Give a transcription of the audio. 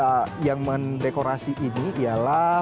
nah yang mendekorasi ini ialah